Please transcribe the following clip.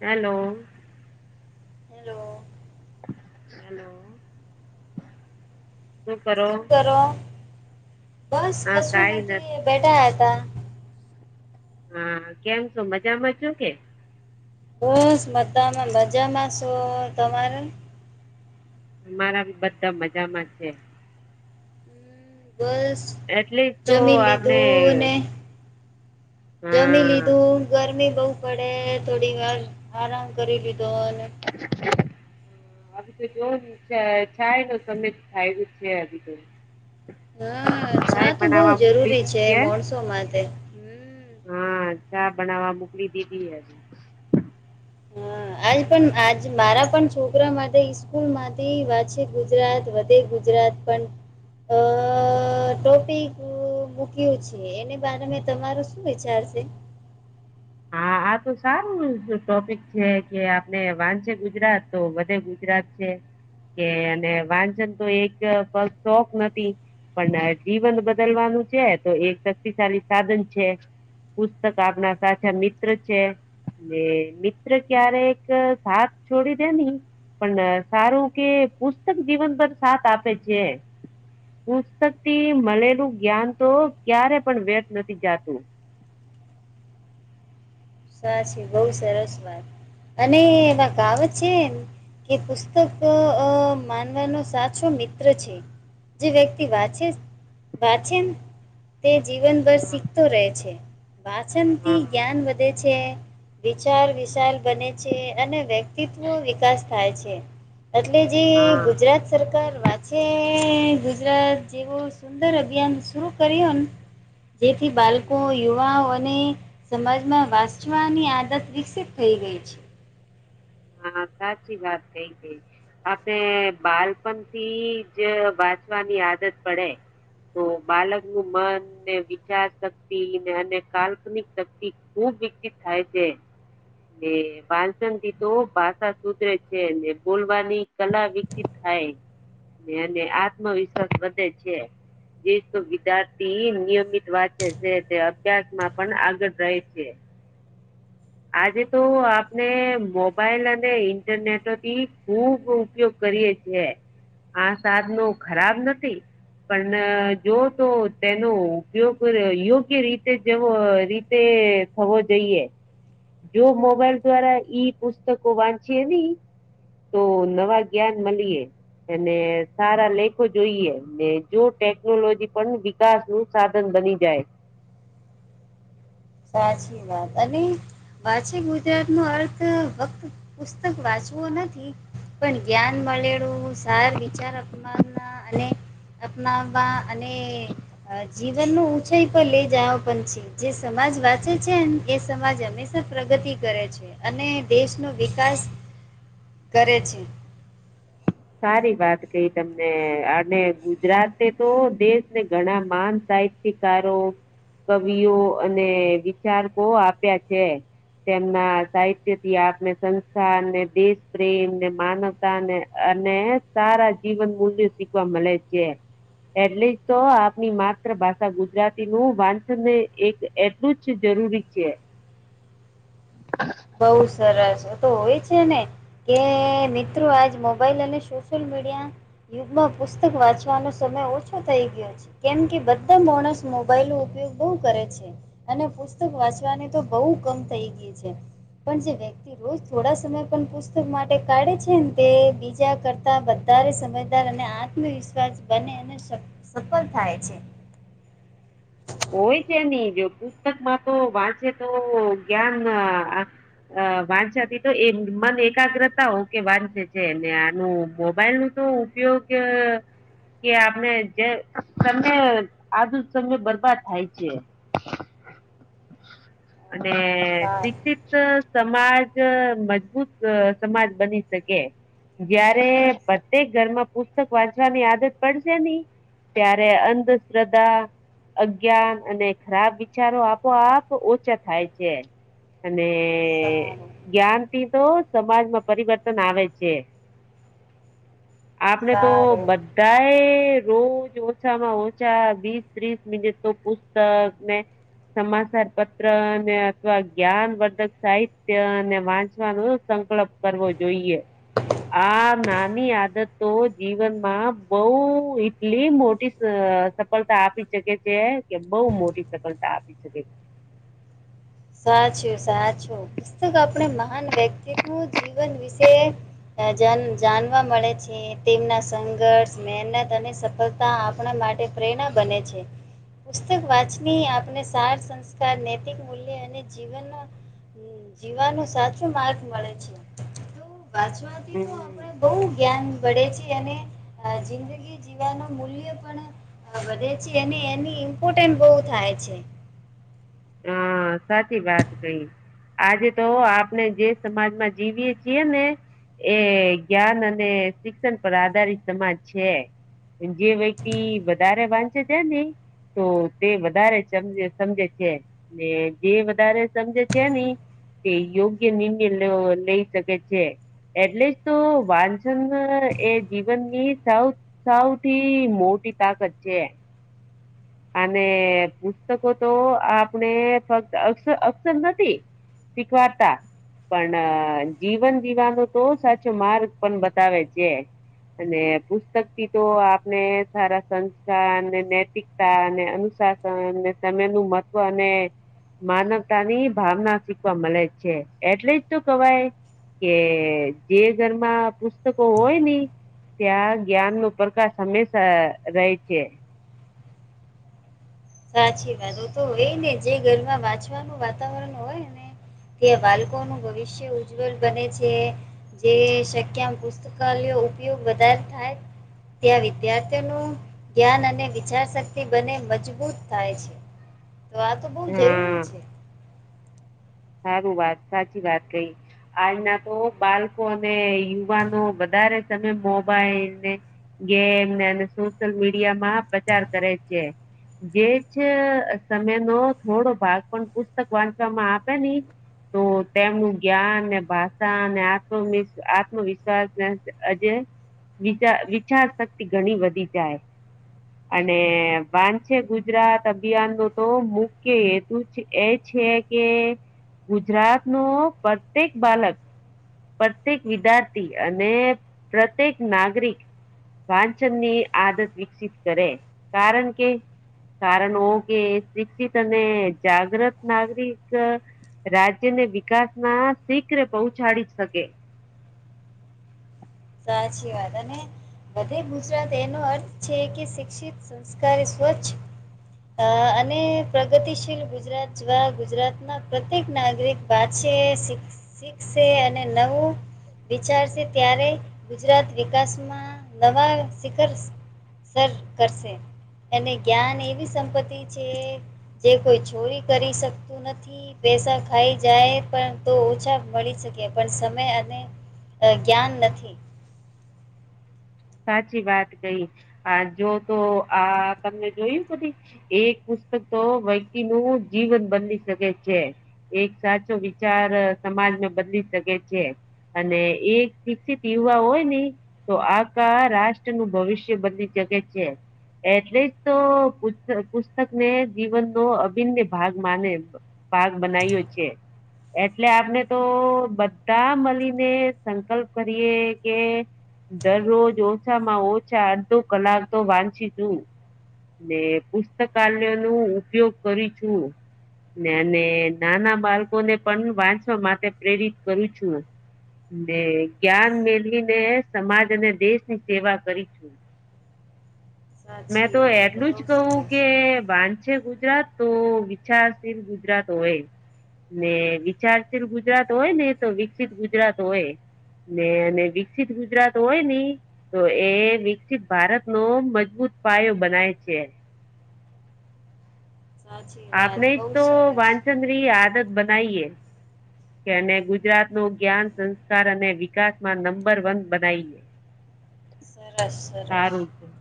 Hello. Hello. Hello શું કરો? બસ હા કશું કઈ નથી બેઠા હતા. હા કેમ શું મજામાં છો કે બસ મ તમાં મજામાં શો તમારે અમારા બી બધા મજામાં છે. બસ એટલે જ તો જમી આપણે લીધું ને. જમી હા લીધું ગરમી બઉ પડે થોડી વાર આરામ કરી લીધો અને [inaudible] આવી તો જોય તો સમમે થાય જ છે તો. હા ચા ચાય તો બઉ બનાવવા મોકલી જરૂરી છે દીધી હે માણસો માટે. હમ હા ચા બનાવવા મોકલી દીધી હજે. હા આજ પણ આજ મારા પણ છોકરા માટે ઇસ્કૂલમાંથી વાંચ ગુજરાત વધે ગુજરાત, પણ અ ટોપિક મૂક્યું છે એને બારે મે તમારું શું વિચારશે? હા આ તો સારું ટોપિક છે કે આપણે વાંચે ગુજરાત તો વધે ગુજરાત, કે અને વાંચન તો એક શોખ નથી. પણ જીવન બદલવાનું છે તો એ શક્તિશાળી સાધન છે. પુસ્તક આપના સા અચ્છા મિત્ર છે મિત્ર ક્યારે એક સાથ છોડી દે નહી, પણ સારું કે પુસ્તક જીવન પર સાથ આપે છે. પુસ્તક થી મળેલું જ્ઞાન તો ક્યારે પણ ર્વ્યથ નથી જાતું. સાચી બહુ સરસ વાત અને એમાં કાવત છે કે પુસ્તક માનવાનો સાચો મિત્ર છે. જે વ્યક્તિ વાચે વાછ તે જીવનભર હા શીખતો રહે છે વાચનથી હા. જ્ઞાન વધે છે, વિચાર વિશાલ બને છે અને વ્યક્તિત્વ વિકાસ થાય છે. એટલે જે હા ગુજરાત સરકાર વાંચ મે ગુજરાત જેવું સુંદર અભિયાન શુરુ કર્યું ને જેથી બાળકો, યુવાઓ અને સમાજમાં. વાચવાની આદત વિકષિત થઈ ગઈ છે. હા સાચી વાત થઈ ગઈ. આપણે બાળપણ થી જ વાંચવાની આદત પડે. તો બાલાકનું મન, વિચાર શક્તિ અને કાલ્પનિક શક્તિ ખુબ વિકસિત થાય છે. એ વાચન [unintelligible] તો ભાષા સુધરે છે એલે બોલવાની કલા વિકસિત થાય. અને આત્મવિશ્વાસ વધે છે. જે વિદ્યાર્થી નિયમિત વાંચે છે તે અભ્યાસમાં પણ આગળ રહે છે. આજે તો આપને મો મોબાઈલ અને ઇન્ટરનેટથી ખુબ ઉપયોગ કરીએ છેએ, આ સાધનો ખરાબ નથી. પણ જો તો તેનો ઉપયોગ યોગ્ય રીતે જેવો તે થવો જોઈએ જો મોબાઈલ દ્વારા ઈ પુસ્ત પુસ્તકો વાંચીએ નહી તો નવા જ્ઞાન મળીએ. અને સારા લેખો જોઈએ ને જો ટેકનોલોજી પણ વિકાસ નું સાધન બની જાય, સાચી વાત અને વાચે ગુજરાત નો અર્થ ફક્ત પુસ્તક વાંચવું નથી, પણ જ્ઞાન મળેલું સાર વિચાર અપમાન ના હા અને, અપનાવવા અને જીવન ન ઉંચાઈ પર લઈ જવા પણ છે જે સમાજ વાંચે છે એ સમાજ હંમેશા પ્રગતિ કરે છે. અને દેશ નો વિકાસ કરે છે. સારી વાત કઈ તમને અને ગુજરાતે તો દેશ ને ઘણા માણસાઈ શિકારો કવિઓ અને વિચાર કો આપ્યા છે. તેમના સાહિત્ય થી આપને સંસ્કાર ને દેશ પ્રેમ ને માનવતા ને, અને સારા જીવન મૂલ્ય શીખવા મળે છે. એટલે જ તો આપની માતૃ ભાષા ગુજરાતી નું વાંચનને એક એટલું જ જરૂરી છે. બહુ સરસ તો હોય છે ને કે મિત્રો આજ મોબાઈલ અને સોશિયલ મીડિયા યુગમાં પુસ્તક વાંચવાનો સમય ઓછો થઈ ગયો છે. કેમ કે બધા માણસ મોબાઈલ નો ઉપયોગ બહુ કરે છે. અને પુસ્તક વાંચવાની તો બહુ કમ થઈ ગય છે પણ જે વક્તિ રોજ થોડા સમય પણ પુસ્તક માટે કાઢે છે ને તે બીજા કરતા વધારે સમજદાર અને આઠ આત્મવિશ્વાસ બને અને સફળ થાય છે. કોય છે નહી જો પુસ્તક માં તો વાંચે તો જ્ઞાન આ. અ વાંચાતી તો એમ મન એકાગ્રતા હો કે વાંચે છે ને આનું મોબાઈલ નું તો. તે ઓ કે કે આપણે જે તમે આજ તમે બરબાદ. થાય છે અને ઠી સારું ઠીક. સમાજ મજબૂત સમાજ બની શકે. જયારે પ્રત્યેક ઘરમાં પુસ્તક વાંચવાની આદત પડશે નની. ત્યારે અંધશ્રદ્ધા. જ્ઞાન અને ખરાબ વિચારો આપોઆપ ઓછા થાય છે અને. તેએ સારું જ્ઞાન થી તો સમાજ માં પરિવર્તન આવે છે. આપને તો સારું બત. ગાય રોજ ઓછામાં ઓછા વીસ ત્રીસ મિનિટ તો. ઉતર મે. સમાચાર પત્ર ને અથવા જ્ઞાનવર્ધક સાહિત્યને વાંચવાનો સંકલપ. કરવો જોઈએ. આ નાની આદત તો જીવનમાં બઉ એટલી મોટી. ત્યાં અ સફળતા આપી શકે છે કેઅ કે બહુ મોટી સફળતા આપી શકે છે. સાચું સાચું પુસ્તક આપણે મહાન વ્યક્તિ નું જીવન વિશેએ. રાજાન જાણવા મળે છે તેમના સંઘર્ષ મહેનત અને સફળ. કા આ આપણા માટે પ્રેરણા બને છે. પુસ્તક વાંચની આપણે સાર સંસ્કાર નૈતિક મૂલ્ય અને. તે જીવન હું જીવાનો સાચો માર્ગ મળે છે. વાછવાથી તો હમ આપડે બહુ જ્ઞાન. વળે છે અને આ જિંદગી જીવાનો મૂલ્ય પણ. હા બધે છે એ એની ઇમ્પોર્ટન્સ બહુ થાય છે. હા સાચી વાત કઈ આજે તો આપણે જે સમાજમાં જીવીએ છીએ ને. એ જ્ઞાન અને શિક્ષણ પર આધારિત સમાજ છે. જે વ્યક્તિ વધારે વાંધચે તેને. તો તે વધારે સમજ સમજે છે. ને જે વધારે સમજે છે ને. તે યોગ્ય નિર્ણય લો લઈ શકે છે. એટલે જ તો વાંછન એ જીવનની સાવ. સૌથી મોટી તાકત છે. અને પુસ્તકો તો આપ. ને ફક્ત અક્ષ અક્ષર નથી શીખવાડતા. પણ જીવન જીવાનો તો સાચો માર્ગ પણ બતાવે છે. અને પુસ્તક થી તો આપણે સારા સંસ્કાર અને નૈતિક. સાઅ અને અનુશાસન અને તમે નું મહત્વ અને. માનવતા ની ભાવના શીખવા મળે છે એટલે જ તો કવાય. કે જે ઘરમાં પુસ્તકો હોય ની. ત્યાં જ્ઞાન નું પ્રકાશ હંમેશા રહે છે. સાચી વાત ઓતો એ ને જે ઘરમાં વાંચવાનું વાતાવરણ હોય ને. તે બાળકોનું ભવિષ્ય ઉજ્જવલ બને છે. જે શક્યમ પુસ્તકાલયયો ઉપયોગ વધારે થાય. ત્યાં વિદ્યાર્થીઓનું જ્ઞાન અને વિચાર શક્તિ બને મજબૂત. થાય છે તો આ તો બહુ જરૂરી હા છે. સારું વાત સાચી વાત કઈ. આજના તો બાળકો અને યુવાનો વધારે તમે મોબાઈલને. જેમને એ સોશિયલ મીડિયા માં પ્રચાર કરે છે. એજ અ સમયનો થોડો ભાગ પણ પુસ્તક વાંચવામાં આપે ની. તો તેમનું જ્ઞાન ને ભાષા અને આત્મ આત્મવિશ્વાસને આજે વિચાર વિચાર શક્તિ ઘણી વધી જાય અને વાન છે ગુજરાત અભિયાન નો તો મુખ્ય ત એ છે કે ગુજરાત નો પ્રત્યેક બાલક પ્રત્યેક વિદ્યાર્થી અને પ્રત્યેક નાગરિક વાંચન ની આદત વિકસિત કરે કારણ કે કારણ ઓ કે શિક્ષિત અને જાગ્રત નાગરિક રાજ્ય ને વિકાસ માં શીઘ્ર પહોંચાડી શકે. સાચી વાત અને. બધે ગુજરાત એનો અર્થ છે કે શિક્ષિત સંસ્કારી સ્વચ્છ અ અને પ્રગતિશીલ ગુજરાત જવા ગુજરાતના પ્રત્યેક નાગરિક વાચે શીખ શીખશે અને નવું વિચારશે ત્યારે ગુજરાત વિકાસમાં નવા શિખર સર કરશે. એને જ્ઞાન એવી સંપત્તિ છે જે કોઈ ચોરી કરી શકતું નથી પેસા ખાઈ જાય પણ તો ઓછા મળી શકે પણ સમય અને અ જ્ઞાન નથી સાચી વાત કઈ આ જો તો આ તમને જોયું બધી એક પુસ્તક તો વ્યક્તિ નું જીવન બદલી શકે છે. એક સાચો વિચાર સમાજમાં બદલી શકે છે. અને એ શિક્ષિત યુવા હોય ને તો આ રાષ્ટ્ર નું ભવિષ્ય બદલી સકે છે. એટલે જ તો પુસ્તક પુસ્તક ને જીવન નો અભિન્ન ભાગ માને. ભાગ બનાવ્યો છે. એટલે આપને તો બધા મળીને સંકલ્પ કરીએ કે દરરોજ ઓછામાં ઓછા અડધો કલાક તો વાંચી છું. ને પુસ્તકાલયો નું ઉપયોગ કરી છું. ને અને નાના બાળકો ને પણ વાંચવા માટે પ્રેરિત કરું છું. ને જ્ઞાન મેળવીને સમાજ અને દેશ ની સેવા કરી છું. મેં સાચી તો વાત એટલું જ બહુ કહું સરસ કે બાંધ છે. ગુજરાત તો વિચારશીલ ગુજરાત હોય ને વિચારશીલ ગુજરાત હોય ને તો વિકસિત ગુજરાત હોય ને અને વિકસિત ગુજરાત હોય ને તો એ વિકસિત ભારત નો મજબૂત પાયો બનાય છે. સાચી વાત આપને બહુ તો સરસ વાંચન્દ્રીય આદત બનાઈ એ કે અને ગુજરાત નું જ્ઞાન સંસ્કાર અને વિકાસમાં નંબર વન બનાઇએ. [inaudible] [unintelligible] [inaudible] સરસ સરસ હ [unintelligible]